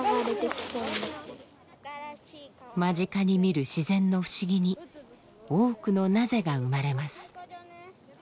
間近に見る自然の不思議に多くのなぜ？が生まれます。